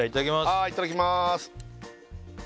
はいいただきます